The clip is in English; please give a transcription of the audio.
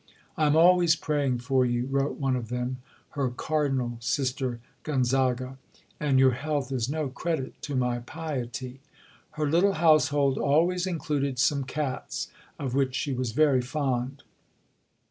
"I am always praying for you," wrote one of them (her "Cardinal," Sister Gonzaga), "and your health is no credit to my piety." Her little household always included some cats, of which she was very fond.